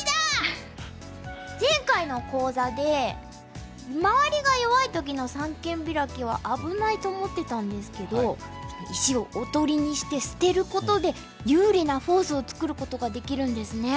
前回の講座で周りが弱い時の三間ビラキは危ないと思ってたんですけど石をおとりにして捨てることで有利なフォースを作ることができるんですね。